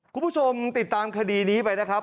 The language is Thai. คุณผู้ชมติดตามคดีนี้ไปนะครับ